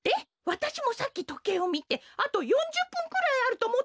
わたしもさっきとけいをみてあと４０ぷんくらいあるとおもったけど。